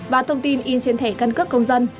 và thông tin in trên thẻ căn cước công dân